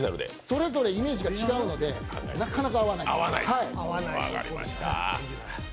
それぞれイメージが違うのでなかなか合わない。